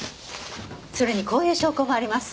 それにこういう証拠もあります。